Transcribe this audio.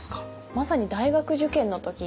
まさに大学受験の時。